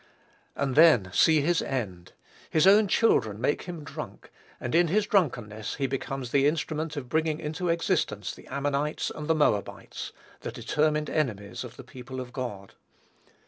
And then, see his end! His own children make him drunk, and in his drunkenness he becomes the instrument of bringing into existence the Ammonites and the Moabites, the determined enemies of the people of God.